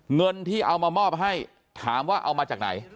เงินที่เอามามอบให้ถามว่าเอามาจากไหน